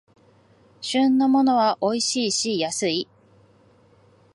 旬のものはおいしいし安い